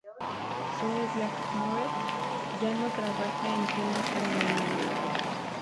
Sue Blackmore ya no trabaja en temas paranormales.